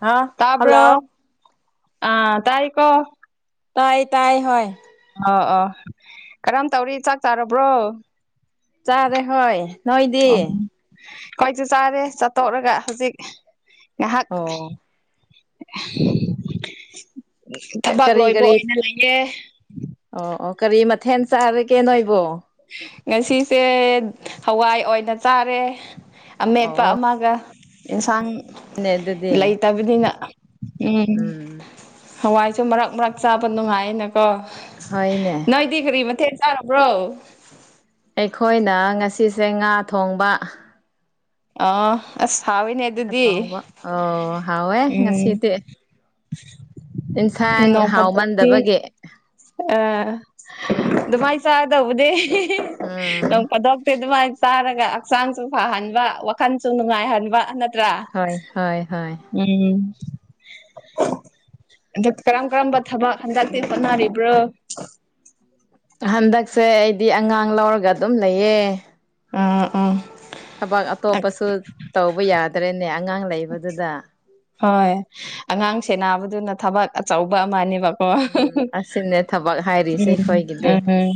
ꯍꯥ ꯇꯕ꯭ꯔ ꯍꯜꯂꯣ ꯑ ꯇꯥꯏ ꯀꯣ ꯇꯥꯏ ꯇꯥꯏ ꯍ ꯑꯣ ꯑꯣ ꯀꯔꯝ ꯇꯧꯔꯤ ꯆꯥꯛ ꯆꯥꯔꯕ꯭ꯔꯣ ꯆꯥꯔꯦ ꯍꯣꯏ ꯑꯣ ꯅꯣꯏꯗꯤ ꯑꯩꯣꯏꯁꯨ ꯆꯥꯔꯦ ꯆꯥꯠꯇꯣꯛꯔꯒ ꯍꯧꯖꯤꯛ ꯉꯥꯏꯍꯥꯛ ꯑꯣ ꯊꯕꯛ ꯀꯔꯤ ꯂꯣꯏꯕ ꯀꯔꯤ ꯑꯣꯏꯅ ꯂꯩꯌꯦ ꯑꯣ ꯑꯣ ꯀꯔꯤ ꯃꯊꯦꯜ ꯆꯥꯔꯒꯦ ꯅꯣꯏꯕꯣ ꯉꯁꯤꯁꯦ ꯍꯋꯥꯏ ꯑꯣꯏꯅ ꯆꯥꯔꯦ ꯑꯃꯦꯠꯄ ꯑꯣ ꯑꯃꯒ ꯏꯟꯁꯥꯡ ꯅꯦ ꯑꯗꯨꯗꯤ ꯂꯩꯇꯕꯅꯤꯅ ꯎꯝ ꯍꯋꯥꯏꯁꯨ ꯃꯔꯛ ꯃꯔꯛ ꯆꯥꯕ ꯅꯨꯡꯉꯥꯏꯅꯀꯣ ꯍꯅꯦ ꯀ ꯀꯔꯤ ꯃꯊꯦꯜ ꯆꯥꯔꯕ꯭ꯔꯣ ꯑꯩꯈꯣꯏꯅ ꯉꯁꯤꯁꯦ ꯉꯥ ꯊꯣꯡꯕ ꯑꯥ ꯑꯁ ꯍꯥꯎꯋꯤꯅꯦ ꯉꯥ ꯑꯗꯨꯗꯤ ꯊꯣꯡꯕ ꯑꯣ ꯍꯥꯎꯋꯦ ꯎꯝ ꯉꯁꯤꯗꯤ ꯏꯟꯁꯥꯡ ꯍꯥꯎꯃꯟꯗꯕꯒꯤ ꯑ ꯑꯗꯨꯃꯥꯏ ꯆꯗꯧꯕꯗꯤ ꯎꯝ ꯅꯪ ꯄꯗꯞ ꯑꯗꯨꯃꯥꯏꯅ ꯆꯥꯔꯒ ꯍꯛꯆꯥꯡꯁꯨ ꯐꯍꯟꯕ ꯋꯥꯈꯜꯁꯨ ꯅꯨꯡꯉꯥꯏꯍꯟꯕ ꯅꯠꯇ꯭ꯔꯥ ꯍꯣꯏ ꯍꯣꯏ ꯍꯣꯏ ꯎꯝ ꯑ ꯀꯔꯝ ꯀꯔꯝꯕ ꯊꯕꯛ ꯍꯟꯗꯛꯇꯤ ꯆꯣꯠꯅꯔꯤꯕ ꯭ꯔꯣꯉ ꯍꯟꯗꯛꯁꯦ ꯑꯩꯗꯤ ꯑꯉꯥꯡ ꯂꯧꯔꯒ ꯑꯗꯨꯝ ꯂꯩꯌꯦ ꯑꯥ ꯑꯥ ꯊꯕꯛ ꯑꯇꯣꯞꯄꯁꯨ ꯇꯧꯕ ꯌꯥꯗ꯭ꯔꯦꯅꯦ ꯑꯉꯥꯡ ꯂꯩꯕꯗꯨꯗ ꯍꯣꯏ ꯑꯉꯥꯡ ꯁꯦꯟꯅꯕꯗꯨꯅ ꯊꯕꯛ ꯑꯆꯧꯕ ꯑꯃꯅꯦꯕ ꯍ ꯎꯝ ꯑꯁꯤꯅꯦ ꯊꯕꯛ ꯍꯥꯏꯔꯤꯁꯦ ꯎꯝ ꯑꯩꯈꯣꯏꯒꯤꯗꯤ ꯎꯝ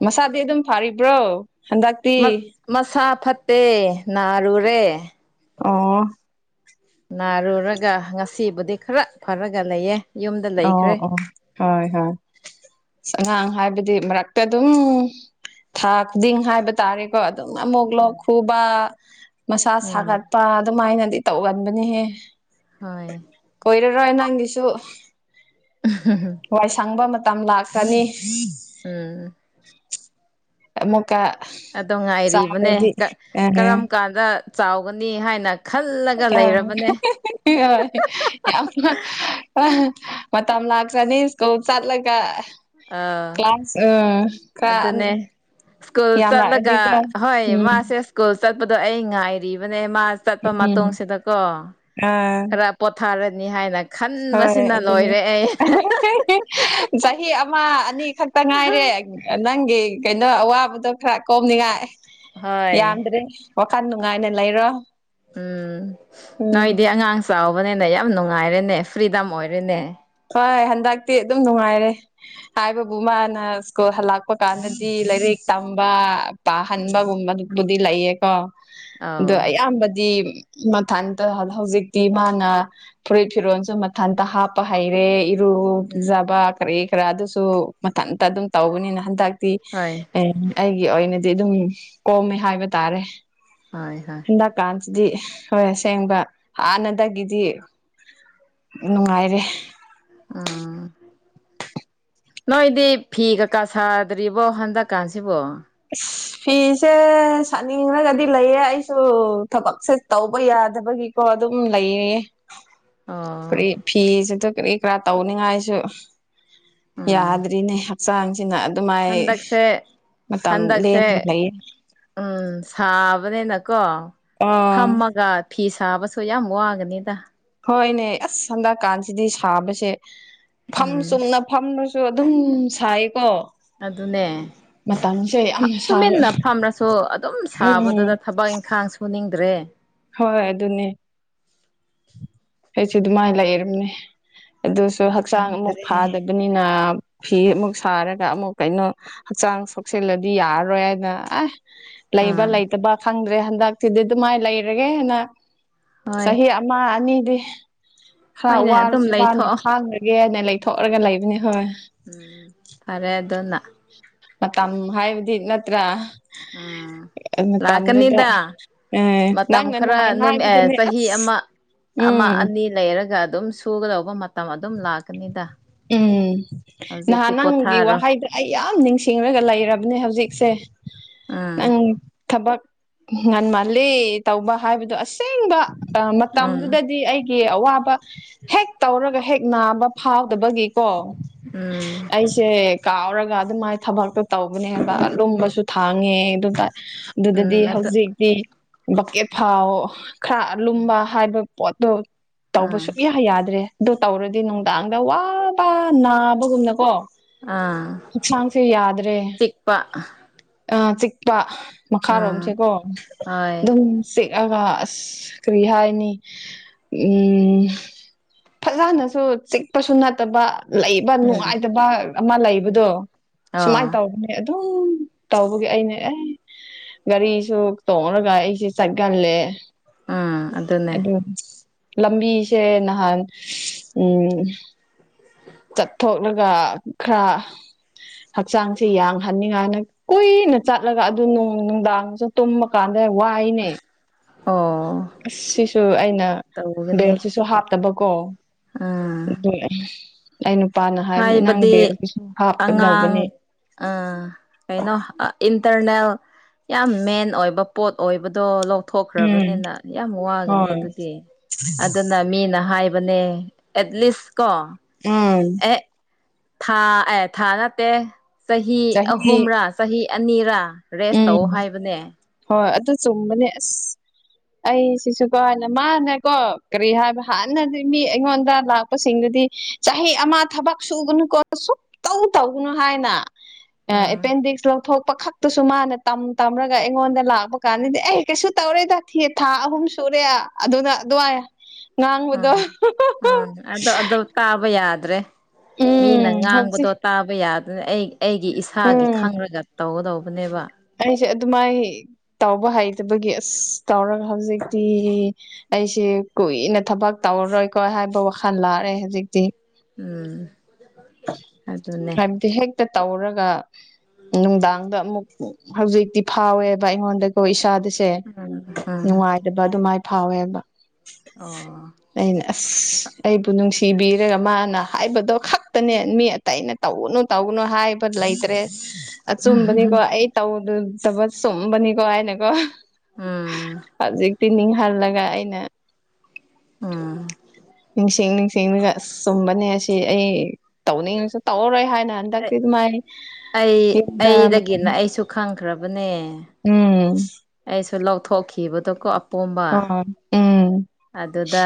ꯃꯁꯥꯗꯤ ꯑꯗꯨꯝ ꯐꯔꯤꯕ꯭ꯔꯣ ꯍꯟꯗꯛ ꯃꯁꯥ ꯐꯠꯇꯦ ꯅꯥꯔꯨꯔꯦ ꯑꯣ ꯅꯥꯔꯨꯔꯒ ꯉꯁꯤꯕꯨꯗꯤ ꯈꯔ ꯐꯔꯒ ꯂꯩꯌꯦ ꯌꯨꯝꯗ ꯑꯣ ꯂꯩꯈ꯭ꯔꯦ ꯑꯣ ꯍꯣꯏ ꯍꯣꯏ ꯑꯉꯥꯡ ꯍꯥꯏꯕꯗꯤ ꯃꯔꯛꯇ ꯑꯗꯨꯝ ꯊꯥ ꯈꯨꯗꯤꯡ ꯍꯥꯏꯕ ꯇꯥꯔꯦꯀꯣ ꯑꯗꯨꯝ ꯑꯃꯨꯛ ꯂꯣ ꯎꯝ ꯈꯨꯕ ꯃꯁꯥ ꯁꯥꯒꯠ ꯄꯥ ꯑꯗꯨꯃꯥꯏꯅꯗꯤ ꯇꯧꯒꯟꯕꯅꯤꯍꯦ ꯍꯣꯏ ꯀꯣꯏꯔꯔꯣꯏ ꯅꯪꯒꯤꯁꯨ ꯍ ꯋꯥꯏ ꯁꯪꯕ ꯃꯇꯝ ꯂꯥꯛꯀꯅꯤ ꯎꯝ ꯑꯃꯃꯛ ꯀꯥ ꯑꯥ ꯑꯗꯣ ꯉꯥꯏꯔꯤꯕꯅꯦ ꯀ ꯍꯣꯏ ꯀꯔꯝ ꯀꯥꯟꯗ ꯆꯥꯎꯒꯅꯤ ꯍꯥꯏꯅ ꯈꯜꯂꯒ ꯂꯩꯔꯕꯅꯦ ꯍꯣꯏ ꯌꯥꯝꯅ ꯑ ꯃꯇꯝ ꯂꯥꯛꯆꯅꯤ ꯁ꯭ꯀꯨꯜ ꯆꯠꯂꯒ ꯑꯥ ꯀ꯭ꯂꯥꯁ ꯎ ꯀ ꯑꯗꯨꯅꯦ ꯁ꯭ꯀꯨꯜ ꯌꯥꯝ ꯔꯛ ꯆꯠꯂꯒ ꯑꯗꯤꯀꯣ ꯍꯣꯏ ꯎꯝ ꯃꯥꯁꯦ ꯁ꯭ꯀꯨꯜ ꯆꯠꯄꯗꯣ ꯑꯩ ꯉꯥꯏꯔꯤꯕꯅꯦ ꯃꯥ ꯆꯠꯄ ꯎꯝ ꯃꯇꯨꯡꯁꯤꯗꯀꯣ ꯑꯥ ꯈꯔ ꯄꯣꯊꯥꯔꯅꯤ ꯍꯥꯏꯅ ꯍꯣꯏ ꯈꯟꯕꯁꯤꯅ ꯑꯗꯨꯅꯦ ꯂꯣꯏꯔꯦ ꯑꯩ ꯆꯍꯤ ꯑꯃ ꯑꯅꯤ ꯈꯛꯇ ꯉꯥꯏꯔꯦ ꯅꯪꯒꯤ ꯀꯩꯅꯣ ꯑꯋꯥꯕꯗꯣ ꯈꯔ ꯀꯣꯝꯅꯤꯡꯉꯥꯏ ꯍꯣꯏ ꯌꯥꯝꯗ꯭ꯔꯦ ꯋꯥꯈꯟ ꯅꯨꯡꯉꯥꯏꯅ ꯂꯩꯔꯣ ꯎꯝ ꯎꯝ ꯅꯣꯏꯗꯤ ꯑꯉꯥꯡ ꯆꯥꯎꯕꯅꯤꯅ ꯌꯥꯝ ꯅꯨꯡꯉꯥꯏꯔꯦꯅꯦ ꯐ꯭ꯔꯤꯗꯝ ꯑꯣꯏꯔꯦꯅꯦ ꯍꯣꯏ ꯍꯟꯗꯛꯇꯤ ꯑꯗꯨꯝ ꯅꯨꯡꯉꯥꯏꯔꯦ ꯍꯥꯏꯕꯕꯨ ꯃꯥꯅ ꯁ꯭ꯀꯨꯜ ꯍꯜꯂꯛꯄ ꯀꯥꯟꯗꯗꯤ ꯂꯥꯏꯔꯤꯛ ꯇꯝꯕ ꯎꯝ ꯄꯥꯍꯟꯕꯒꯨꯝꯕꯗꯨꯕꯨꯗꯤ ꯂꯩꯌꯦꯀꯣ ꯑꯧ ꯑꯗꯣ ꯑꯌꯥꯝꯕꯗꯤ ꯃꯊꯟꯇ ꯍꯧꯖꯤꯛꯇꯤ ꯃꯥꯅ ꯐꯨꯔꯤꯠ ꯐꯤꯔꯣꯜꯁꯨ ꯃꯊꯟꯇ ꯍꯥꯞꯄ ꯍꯩꯔꯦ ꯏꯔꯨ ꯎꯝ ꯂꯨꯨꯖꯕ ꯀꯔꯤ ꯀꯔ ꯑꯗꯨꯁꯨ ꯃꯊꯟꯇ ꯑꯗꯨꯝ ꯇꯧꯕꯅꯤꯅ ꯍꯟꯗꯛꯇꯤ ꯍꯣꯏ ꯑꯦ ꯑꯩꯒꯤ ꯑꯣꯏꯅꯗꯤ ꯑꯗꯨꯝ ꯀꯣꯝꯃꯦ ꯍꯥꯏꯕ ꯇꯥꯔꯦ ꯍꯣꯏ ꯍꯣꯏ ꯍꯟꯗꯛꯀꯥꯟꯁꯤꯗꯤ ꯍꯣꯏ ꯑꯁꯦꯡꯕ ꯍꯥꯟꯅꯗꯒꯤꯗꯤ ꯅꯨꯡꯉꯥꯏꯔꯦ ꯎꯝ ꯅꯣꯏꯗꯤ ꯐꯤ ꯀꯀꯥ ꯁꯥꯗ꯭ꯔꯤꯕꯣ ꯍꯟꯗꯛꯀꯥꯟꯁꯤꯕꯣ ꯑꯁ ꯐꯤꯁꯦ ꯁꯥꯠꯅꯤꯡꯉꯒꯗꯤ ꯂꯩꯌꯦ ꯑꯩꯁꯨ ꯊꯕꯛꯁꯦ ꯇꯧꯕ ꯌꯥꯗꯕꯒꯤ ꯀꯣ ꯑꯗꯨꯝ ꯂꯩꯌꯦꯌꯦ ꯑꯣ ꯐꯔꯤ ꯐꯤꯁꯤꯗ ꯀꯔꯤ ꯀꯔꯥ ꯇꯧꯅꯤꯉꯥꯏꯁꯨ ꯎꯝ ꯌꯥꯗ꯭ꯔꯤꯅꯦ ꯍꯞ ꯆꯥꯡꯁꯤꯅ ꯑꯗꯨꯃꯥꯏ ꯍꯟꯗꯛꯁꯦ ꯃꯇꯝ ꯍꯟꯗꯛꯁꯦ ꯂꯦꯟꯅ ꯂꯩꯌꯦ ꯎꯝ ꯁꯥꯕꯅꯤꯅꯀꯣ ꯑꯥ ꯐꯝꯃꯒ ꯐꯤ ꯐꯤ ꯁꯥꯕꯁꯨ ꯌꯥꯝ ꯋꯥꯒꯅꯤꯗ ꯍꯣꯏꯅꯦ ꯑꯁ ꯍꯟꯗꯛꯀꯥꯟꯁꯤꯗꯤ ꯁꯥꯕꯁꯦ ꯐꯝ ꯎꯝ ꯆꯨꯝꯅ ꯐꯝꯔꯁꯨ ꯑꯗꯨꯝ ꯁꯥꯏꯀꯣ ꯑꯗꯨꯅꯦ ꯃꯇꯝꯁꯦ ꯐ ꯌꯥꯝꯅ ꯁꯥ ꯇꯨꯃꯤꯟꯅ ꯐꯝꯔꯁꯨ ꯑꯗꯨꯝ ꯎꯝ ꯁꯥꯕꯗꯨꯗ ꯊꯕꯛ ꯏꯪꯈꯥꯡ ꯁꯨꯅꯤꯡꯗ꯭ꯔꯦ ꯍꯣꯏ ꯑꯗꯨꯅꯦ ꯑꯩꯁꯨ ꯑꯗꯨꯃꯥꯏꯅ ꯂꯩꯔꯝꯅꯦ ꯑꯗꯨꯁꯨ ꯍꯛꯆꯥꯡ ꯑꯃꯨꯛ ꯈꯪꯗ꯭ꯔꯦ ꯐꯥꯗꯕꯤ ꯗꯨꯅꯤꯅ ꯐꯤ ꯑꯃꯨꯛ ꯁꯥꯔꯒ ꯑꯃꯨꯛ ꯀꯩꯅꯣ ꯍꯛꯆꯥꯡ ꯁꯣꯛꯆꯜꯂꯗꯤ ꯌꯥꯔꯔꯣꯏ ꯍꯥꯏꯅ ꯑꯦ ꯂꯩꯕ ꯑꯥ ꯂꯩꯇꯕ ꯈꯪꯗ꯭ꯔꯦ ꯍꯟꯗꯛꯇꯤꯗꯤ ꯑꯗꯨꯃꯥꯏ ꯂꯩꯔꯒꯦꯅ ꯍꯣꯏ ꯆꯍꯤ ꯑꯃ ꯑꯅꯤꯗꯤ ꯈꯔ ꯍꯣꯏꯅꯦ ꯑꯗꯨꯝ ꯋꯥꯔꯁꯨ ꯋꯥꯅ ꯂꯩꯊꯣꯛꯑꯣ ꯈꯥꯡꯈꯒꯦꯅ ꯂꯩꯊꯣꯛꯑꯒ ꯂꯩꯕꯅꯤ ꯍꯣꯏ ꯎꯝ ꯐꯔꯦ ꯑꯗꯣꯅ ꯃꯇꯝ ꯍꯥꯏꯕꯗꯤ ꯅꯠꯇ꯭ꯔꯥ ꯎꯝ ꯂꯥꯛ ꯃꯇꯝꯗꯨꯗ ꯀꯅꯤꯗ ꯑꯦ ꯃꯇꯝ ꯅꯪꯅ ꯈꯔ ꯅꯍꯥꯟ ꯅꯨꯝ ꯑꯦ ꯍꯥꯏꯕꯗꯨꯅꯦ ꯆꯍꯤ ꯑꯁ ꯑꯃ ꯑꯃ ꯎꯝ ꯑꯅꯤ ꯂꯩꯔꯒ ꯑꯗꯨꯝ ꯁꯨꯒꯗꯧꯕ ꯃꯇꯝ ꯑꯗꯨꯝ ꯂꯥꯛꯀꯅꯤꯗ ꯎꯝ ꯅꯍꯥꯟ ꯍꯧꯖꯤꯛꯇꯤ ꯅꯪꯒꯤ ꯄꯣꯊꯥꯔꯣ ꯋꯥꯍꯩꯗ ꯑꯩ ꯌꯥꯝ ꯅꯤꯡꯁꯤꯡꯂꯒ ꯂꯩꯔꯕꯅꯦ ꯍꯧꯖꯤꯛꯁꯦ ꯎꯝ ꯅꯪ ꯊꯕꯛ ꯉꯟꯃꯜꯂꯤ ꯇꯧꯕ ꯍꯥꯏꯕꯗꯣ ꯑꯁꯦꯡꯕ ꯑ ꯎꯝ ꯃꯇꯝꯗꯨꯗꯗꯤ ꯑꯩꯒꯤ ꯑꯋꯥꯕ ꯍꯦꯛ ꯇꯧꯔꯒ ꯍꯦꯛ ꯅꯥꯕ ꯐꯥꯎꯗꯕꯒꯤꯀꯣ ꯎꯝ ꯑꯩꯁꯦ ꯀꯥꯎꯔꯒ ꯑꯗꯨꯃꯥꯏ ꯊꯕꯛꯇꯣ ꯇꯧꯕꯅꯦꯕ ꯂꯨꯝꯕꯁꯨ ꯊꯥꯡꯉꯦ ꯑꯗꯨꯗ ꯎꯝ ꯑꯗꯨꯗꯗꯤ ꯑꯗꯨ ꯍꯧꯖꯤꯛꯇꯤ ꯕꯛꯀꯦꯠ ꯐꯥꯎ ꯈꯔ ꯂꯨꯝꯕ ꯍꯥꯏꯕ ꯄꯣꯠꯇꯣ ꯇꯧꯕ ꯑꯥ ꯁꯨꯡꯛꯌꯥ ꯌꯥꯗ꯭ꯔꯦ ꯑꯗꯨ ꯇꯧꯔꯗꯤ ꯅꯨꯡꯗꯥꯡꯗ ꯋꯥ ꯄꯥ ꯅꯥꯕꯒꯨꯝꯅꯀꯣ ꯑꯥ ꯍꯛꯆꯥꯡꯁꯦ ꯌꯥꯗ꯭ꯔꯦ ꯆꯤꯛꯄ ꯑ ꯆꯤꯛꯄ ꯎꯝ ꯃꯈꯥꯔꯣꯝꯁꯦꯀꯣ ꯍꯣꯏ ꯑꯗꯨꯝ ꯆꯤꯛꯑꯒ ꯑꯁ ꯀꯔꯤ ꯍꯥꯏꯅꯤ ꯐꯖꯅꯁꯨ ꯆꯤꯛꯄꯁꯨ ꯅꯠꯇꯕ ꯂꯩ ꯕ ꯎꯝ ꯅꯨꯡꯉꯥꯏꯇꯕ ꯑꯃ ꯂꯩꯕꯗꯣ ꯁꯨꯃꯥꯏꯅ ꯑꯣ ꯇꯧꯕꯅꯦ ꯑꯗꯨꯝ ꯇꯧꯕꯒꯤ ꯑꯩꯅ ꯑꯦ ꯒꯥꯔꯤꯁꯨ ꯇꯣꯡꯔꯒ ꯑꯩꯁꯦ ꯆꯠꯒꯜꯂꯦ ꯎꯝ ꯑꯗꯨꯅꯦ ꯑꯗꯨ ꯂꯝꯕꯤꯁꯦ ꯅꯍꯥꯟ ꯎꯝ ꯆꯠꯊꯣꯛꯂꯒ ꯈꯔ ꯍꯛꯆꯥꯡꯁꯦ ꯌꯥꯡꯍꯟꯅꯤꯉꯥꯏꯅ ꯀꯨꯏꯅ ꯆꯠꯂꯒ ꯑꯗꯨꯣꯡ ꯅꯨꯡꯗꯥꯡꯁꯨ ꯇꯨꯝꯃ ꯀꯥꯟꯗꯦ ꯋꯥꯏꯅꯦ ꯑꯣ ꯑꯁ ꯁꯤꯁꯨ ꯑꯩꯅ ꯇꯧꯒꯅꯤ ꯕꯦꯜꯁꯤꯁꯨ ꯍꯥꯞꯇꯕꯀꯣ ꯎꯝ ꯑꯗꯨ ꯑꯩ ꯅꯨꯄꯥꯅ ꯍꯥꯏꯕꯅꯦ ꯅꯪ ꯍꯥꯏꯕꯗꯤ ꯕꯦꯒꯁꯤꯁꯨ ꯍꯥꯞꯀꯗꯧꯕꯅꯦ ꯑꯥ ꯀꯩꯅꯣ ꯑ ꯏꯟꯇꯔꯅꯦꯜ ꯌꯥꯝ ꯃꯦꯟ ꯑꯣꯏꯕ ꯄꯣꯠ ꯑꯣꯏꯕꯗꯣ ꯂꯧ ꯎꯝ ꯊꯣꯛꯈ꯭ꯔꯕꯅꯤꯅ ꯌꯥꯝ ꯋꯥꯒꯅꯤ ꯍꯣꯏ ꯑꯗꯨꯗꯤ ꯑꯗꯨ ꯅ ꯃꯤꯅ ꯍꯥꯏꯕꯅꯦ ꯑꯦꯠꯂꯤꯁ ꯀꯣ ꯑꯝ ꯑꯦ ꯊꯥ ꯑꯦ ꯊꯥ ꯅꯠꯇꯦ ꯆꯍꯤ ꯆꯍꯤ ꯑꯍꯨꯝꯔꯥ ꯆꯍꯤ ꯑꯅꯤꯔꯥ ꯔꯦꯁ ꯇꯧ ꯎꯝ ꯍꯥꯏꯕꯅꯦ ꯍꯣꯏ ꯑꯗꯨ ꯆꯨꯝꯕꯅꯦ ꯑꯁ ꯑꯩꯁꯤꯁꯨꯀꯣ ꯍꯥꯏꯅ ꯃꯥꯅꯀꯣ ꯀꯔꯤ ꯍꯥꯏꯕ ꯍꯥꯟꯅꯗꯤ ꯃꯤ ꯑꯩꯉꯣꯟꯗ ꯂꯥꯛꯄꯁꯤꯡꯗꯨꯗꯤ ꯆꯍꯤ ꯑꯃ ꯊꯕꯛ ꯁꯨꯕꯅꯨꯀꯣ ꯁꯨꯇꯧ ꯇꯧꯒꯅꯨ ꯍꯥꯏꯅ ꯎꯝ ꯑꯦꯄꯦꯟꯗꯤꯛꯁ ꯂꯧꯊꯣꯛꯄ ꯈꯛ ꯇꯨꯁꯨ ꯃꯥꯅ ꯇꯝ ꯇꯝꯔꯒ ꯑꯩꯉꯣꯟꯗ ꯂꯥꯛꯄ ꯀꯥꯟꯗꯗꯤ ꯑꯩ ꯀꯩꯁꯨ ꯇꯧꯔꯦ ꯊꯥ ꯑꯍꯨꯝ ꯁꯨꯔꯦ ꯑꯗꯨꯅ ꯑꯗꯨꯋꯥꯏ ꯉꯥꯡꯕꯗꯣ ꯎꯝ ꯎꯝ ꯑꯗꯣ ꯑꯗꯨ ꯇꯥꯕ ꯌꯥꯗ꯭ꯔꯦ ꯃꯤꯅ ꯎꯝ ꯍꯧꯖꯤꯛ ꯉꯥꯡꯕꯗꯣ ꯇꯥꯕ ꯌꯥꯗꯅ ꯑꯩ ꯑꯩꯒꯤ ꯏꯁꯥꯒꯤ ꯎꯝ ꯈꯪꯔꯒ ꯇꯧꯒꯗꯧꯕꯅꯦꯕ ꯑꯩꯁꯦ ꯑꯗꯨꯃꯥꯏ ꯇꯥꯎꯕ ꯍꯩꯇꯕꯒꯤ ꯑꯁ ꯇꯧꯔꯒ ꯍꯧꯖꯤꯛꯇꯤ ꯑꯩꯁꯤ ꯀꯨꯏꯅ ꯊꯕꯛ ꯇꯧꯔꯔꯣꯏꯀꯣ ꯍꯥꯏꯕ ꯋꯥꯈꯜ ꯂꯥꯛꯑꯦ ꯍꯧꯖꯤꯛꯇꯤ ꯎꯝ ꯑꯗꯨꯅꯦ ꯍꯥꯏꯕꯗꯤ ꯍꯦꯛꯇ ꯇꯧꯔꯒ ꯅꯨꯡꯗꯥꯡꯗ ꯑꯃꯨꯛ ꯍꯧꯖꯤꯛꯇꯤ ꯐꯥꯎꯋꯦꯕ ꯑꯩꯉꯣꯟꯗꯀꯣ ꯏꯁꯥꯗ ꯁꯦ ꯎꯝ ꯅꯨꯡꯉꯥꯏꯗꯕ ꯑꯗꯨꯃꯥꯏꯅ ꯐꯥꯎꯋꯦꯕ ꯑꯣ ꯑꯩꯅ ꯑꯁ ꯑꯩꯕꯨ ꯅꯨꯡꯁꯤꯕꯤꯔꯒ ꯃꯥꯅ ꯍꯥꯏꯕꯗꯣ ꯈꯛ ꯅꯦ ꯃꯤ ꯑꯇꯩ ꯑꯩꯅ ꯇꯧꯒꯅꯨ ꯇꯧꯒꯨꯅꯨ ꯍꯥꯏꯕ ꯂꯩꯇ꯭ꯔꯦ ꯑꯆꯨꯝꯕꯅꯤꯀꯣ ꯑꯩ ꯇꯧꯗꯗꯕ ꯆꯨꯝꯕꯅꯤꯀꯣ ꯍꯥꯏꯅꯀꯣ ꯎꯝ ꯍꯧꯖꯤꯛ ꯄꯤꯅꯤꯡꯍꯜꯂꯒ ꯑꯩꯅ ꯎꯝ ꯅꯤꯡꯁꯤꯡ ꯅꯤꯡꯁꯤꯡꯗꯨꯒ ꯑꯁ ꯆꯨꯝꯕꯅꯦ ꯑꯁꯤ ꯑꯩ ꯇꯧꯅꯤꯡꯉꯕꯁꯨ ꯇꯧꯔꯔꯣꯏ ꯍꯥꯏꯅ ꯊꯥꯛꯄꯤ ꯑꯗꯨ ꯃꯥꯥꯏ ꯑꯩ ꯑꯩꯗꯒꯤꯅ ꯑꯩꯁꯨ ꯈꯪꯈ꯭ꯔꯕꯅꯦ ꯎꯝ ꯑꯩꯁꯨ ꯂꯧꯊꯣꯛꯈꯤꯕꯗꯣ ꯀꯣ ꯍ ꯎꯝ ꯑꯗꯨꯗ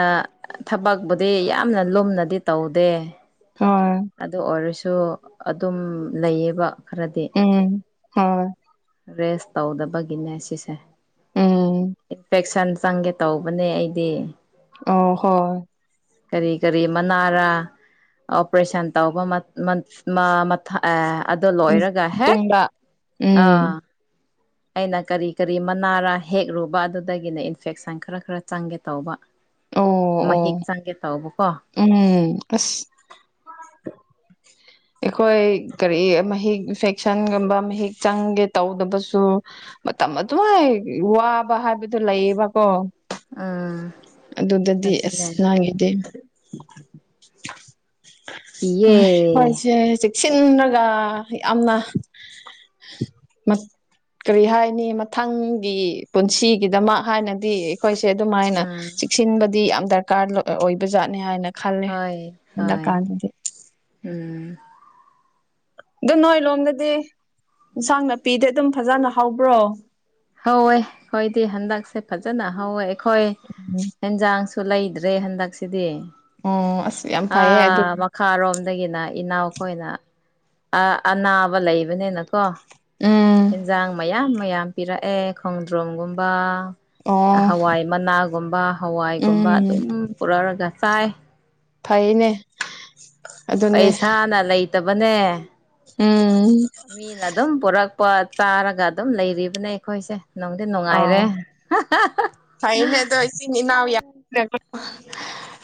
ꯊꯕꯛꯄꯨꯗꯤ ꯌꯥꯝꯅ ꯂꯨꯝꯅꯗꯤ ꯇꯧꯗꯦ ꯍ ꯑꯗꯨ ꯑꯣꯏꯔꯁꯨ ꯑꯗꯨꯝ ꯂꯩꯌꯦꯕ ꯈꯔꯗꯤ ꯎꯝ ꯍꯣꯏ ꯔꯦꯁ ꯇꯧꯗꯕꯒꯤꯅꯦ ꯁꯤꯁꯦ ꯎꯝ ꯏꯟꯐꯦꯛꯁꯟ ꯆꯪꯒꯦ ꯇꯧꯕꯅꯦ ꯑꯩꯗꯤ ꯑ ꯍꯣꯏ ꯀꯔꯤ ꯀꯔꯤ ꯃꯅꯥꯔꯥ ꯑꯣꯄꯔꯦꯁꯟ ꯇꯧꯕ ꯑꯗꯨꯗꯣ ꯂꯣꯏꯔꯒ ꯍꯦꯛ ꯇꯨꯡꯗ ꯑꯥ ꯎꯝ ꯑꯩꯅ ꯀꯔꯤ ꯀꯔꯤ ꯃꯅꯥꯔꯥ ꯍꯦꯛꯂꯨꯕ ꯑꯗꯨꯗꯒꯤꯅ ꯏꯟꯐꯦꯛꯁꯟ ꯈꯔ ꯈꯔ ꯆꯪꯒꯦ ꯇꯧꯕ ꯑꯣ ꯑꯣ ꯃꯍꯤꯛ ꯆꯪꯒꯦ ꯇꯧꯕꯀꯣ ꯎꯝ ꯑꯁ ꯑꯩꯈꯣꯏ ꯀꯔꯤ ꯃꯍꯤꯛ ꯏꯟꯐꯦꯛꯁꯟꯒꯨꯝꯕ ꯃꯍꯤꯛ ꯆꯪꯒꯦ ꯇꯧꯗꯕꯁꯨ ꯃꯇꯝ ꯑꯗꯨꯥꯏ ꯋꯥꯕ ꯍꯥꯏꯕꯗꯨꯣ ꯂꯩꯌꯦꯕꯀꯣ ꯎꯝ ꯑꯗꯨꯗꯗꯤ ꯑꯁ ꯑꯗꯨꯅꯦ ꯂꯥꯡꯉꯤꯗꯦ ꯏꯦ ꯁꯦ ꯆꯦꯛꯁꯤꯟꯔꯒ ꯌꯥꯝꯅ ꯀꯔꯤ ꯍꯥꯏꯅꯤ ꯃꯊꯪꯒꯤ ꯄꯨꯟꯁꯤꯒꯤꯗꯃꯛ ꯍꯥꯏꯅꯗꯤ ꯑꯩꯈꯣꯏꯁꯦ ꯑꯗꯨꯝꯥꯏꯅ ꯎꯝ ꯆꯦꯛꯁꯤꯟꯕꯗꯤ ꯌꯥꯝ ꯗꯔꯀꯥꯔ ꯑꯣꯏꯕꯖꯥꯠꯅꯤ ꯍꯥꯏꯅ ꯈꯜꯂꯦ ꯍꯣꯏ ꯍꯟꯗꯛ ꯍꯣꯏ ꯀꯥꯟꯗꯗꯤ ꯎꯝ ꯑꯗꯨꯝ ꯅꯣꯏ ꯂꯣꯝꯗꯗꯤ ꯏꯟꯁꯥꯡ ꯅꯥꯄꯤꯗꯤ ꯑꯗꯨꯝ ꯐꯖꯅ ꯍꯧꯕ꯭ꯔꯣ ꯍꯧꯋꯦ ꯑꯩꯈꯣꯏꯗꯤ ꯍꯟꯗꯛꯁꯦ ꯐꯖꯅ ꯍꯧꯋꯦ ꯑꯩꯈꯣꯏ ꯎꯝ ꯌꯦꯦꯟꯖꯥꯡꯁꯨ ꯂꯩꯗ꯭ꯔꯦ ꯍꯟꯗꯛꯁꯤꯗꯤ ꯑꯣ ꯑꯁ ꯌꯥꯝ ꯐꯩꯌꯦꯦ ꯑꯗꯨ ꯈꯥꯔꯣꯝꯗꯒꯤꯅ ꯏꯅꯥꯎꯈꯣꯏꯅ ꯑꯅꯥꯕ ꯂꯩꯕꯅꯤꯅꯀꯣ ꯎꯝ ꯑꯦꯟꯖꯥꯡ ꯃꯌꯥꯝ ꯃꯌꯥꯝ ꯄꯤꯔꯛꯑꯦ ꯈꯣꯡꯗ꯭ꯔꯣꯝꯒꯨꯝꯕ ꯑꯣ ꯍꯋꯥꯏ ꯃꯅꯥꯒꯨꯝꯕ ꯍꯋꯥꯏꯒꯨꯝꯕ ꯎꯝ ꯑꯗꯨꯝ ꯄꯨꯔꯛꯑꯒ ꯆꯥꯏ ꯐꯥꯏꯅꯦ ꯄꯩꯁꯥꯅ ꯂꯩꯇꯕꯅꯦ ꯎꯝ ꯃꯤꯅ ꯑꯗꯨꯝ ꯄꯨꯔꯛ ꯆꯥꯔꯒ ꯑꯗꯨꯝ ꯂꯩꯔꯤꯕꯅꯦ ꯑꯩꯈꯣꯏꯁꯦ ꯅꯨꯡꯗꯤ ꯅꯨꯡꯉꯥꯏꯔꯦ ꯐꯥꯏꯅꯦꯗꯁꯤꯅꯤ ꯏꯅꯥꯎ ꯌꯥ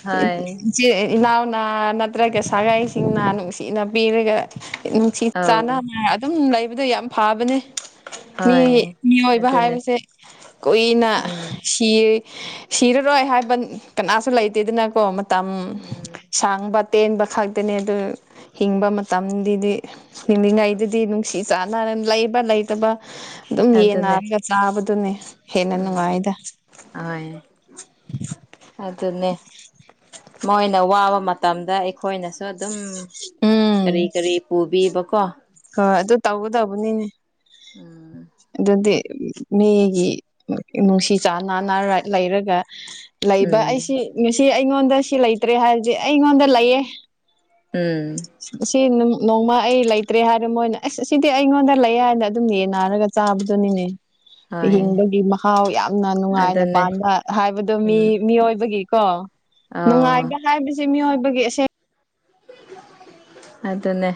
ꯍꯥꯏ ꯏꯆꯤꯜ ꯏꯅꯥꯎꯅꯥ ꯅꯠꯇ꯭ꯔꯒ ꯁꯥꯒꯥꯏꯁꯤꯡꯅ ꯅꯨꯡꯁꯤꯅ ꯄꯤꯔꯒ ꯅꯨꯡꯁꯤ ꯑꯧ ꯆꯥꯟꯅꯅ ꯑꯗꯨꯝ ꯂꯩꯕꯗ ꯌꯥꯝ ꯐꯕꯅꯦ ꯃꯤ ꯍꯣꯏ ꯃꯤꯑꯣꯏꯕ ꯑꯗꯨꯅꯦ ꯍꯥꯏꯕꯁꯦ ꯀꯨꯏꯅ ꯎꯝ ꯁꯤ ꯁꯤꯔꯔꯣꯏ ꯍꯥꯏꯕ ꯀꯅꯥꯁꯨ ꯂꯩꯇꯦꯗꯅꯀꯣ ꯃꯇꯝ ꯎꯝ ꯁꯥꯡꯕ ꯇꯦꯟꯕ ꯈꯛꯇꯅꯦ ꯑꯗꯨ ꯍꯤꯡꯕ ꯃꯇꯝꯗꯤ ꯅꯤꯡꯂꯤꯉꯩꯗꯨꯗꯤ ꯅꯨꯡꯁꯤ ꯆꯥꯟꯅ ꯂꯩꯕ ꯂꯩꯇꯕ ꯑꯗꯨꯝ ꯑꯗꯨꯅꯦ ꯌꯦꯟꯅꯔꯒ ꯆꯥꯕꯗꯨꯅꯦ ꯍꯦꯟꯅ ꯅꯨꯡꯉꯥꯏꯗ ꯍ ꯑꯗꯨ ꯑꯗꯨꯟꯅꯦ ꯃꯣꯏꯅ ꯋꯥꯕ ꯃꯇꯝꯗ ꯑꯩꯈꯣꯏꯅꯁꯨ ꯑꯗꯨꯝ ꯎꯝ ꯀꯔꯤ ꯀꯔꯤ ꯄꯨꯕꯤꯕꯀꯣ ꯍꯣꯏ ꯑꯗꯨ ꯇꯧꯒꯗꯧꯕꯅꯤꯅꯦ ꯎꯝ ꯑꯗꯨꯗꯤ ꯃꯤꯒꯤ ꯅꯨꯡꯁꯤ ꯆꯥꯟꯅꯅ ꯔꯥꯏ ꯂꯩꯔꯒ ꯂꯩꯕ ꯎꯝ ꯑꯩꯁꯤ ꯉꯁꯤ ꯑꯩꯉꯣꯟꯗ ꯁꯤ ꯂꯩꯇ꯭ꯔꯦ ꯍꯥꯏꯔꯁꯦ ꯑꯩꯉꯣꯟꯗ ꯂꯩꯌꯦꯦ ꯎꯝ ꯁꯤ ꯅꯣꯡꯃ ꯑꯩ ꯂꯩꯇ꯭ꯔꯦ ꯍꯥꯏꯔꯦ ꯃꯣꯏꯅ ꯑꯁ ꯁꯤꯗꯤ ꯑꯩꯉꯣꯟꯗ ꯂꯩ ꯍꯥꯏꯅ ꯑꯗꯨꯝ ꯌꯦꯟꯅꯔꯒ ꯆꯥꯕꯗꯨꯅꯤꯅꯦ ꯍꯣꯏ ꯍꯤꯡꯕꯒꯤ ꯃꯍꯥꯎ ꯌꯥꯝꯅ ꯅꯨꯡꯉꯥꯏꯅ ꯑꯗꯨꯅꯦ ꯄꯥꯟꯕꯥꯅ ꯍꯥꯏꯕꯗꯣ ꯃꯤ ꯎꯝ ꯃꯤꯑꯣꯏꯕꯒꯤꯀꯣ ꯑꯧ ꯅꯨꯡꯉꯥꯏꯒ ꯍꯥꯏꯕꯁꯤ ꯃꯤꯑꯣꯏꯕꯒꯤ ꯑꯁꯦꯡ ꯑꯗꯨꯅꯦ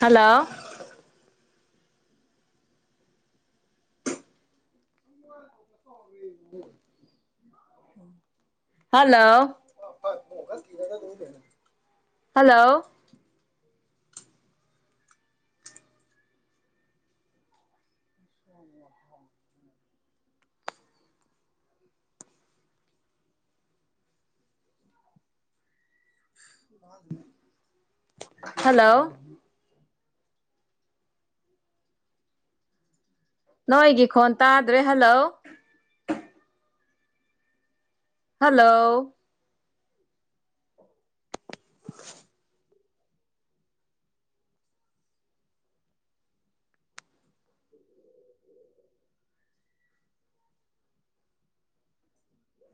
ꯍꯜꯂꯣ [inaudible] ꯍꯜꯂꯣ ꯍꯜꯂꯣ ꯎ ꯍꯜꯂꯣ ꯅꯣꯏꯒꯤ ꯈꯣꯟ ꯇꯥꯗ꯭ꯔꯦ ꯍꯜꯂꯣ ꯍꯜꯂꯣ [inaudible]